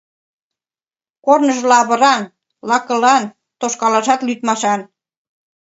Корныжо лавыран, лакылан, тошкалашат лӱдмашан.